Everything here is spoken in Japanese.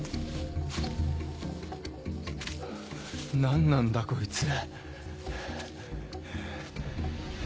何なんだこいつ。